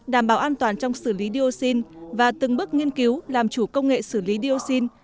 đảm bảo an toàn trong xử lý dioxin và từng bước nghiên cứu làm chủ công nghệ xử lý dioxin